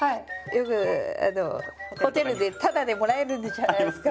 よくホテルでただでもらえるじゃないですか。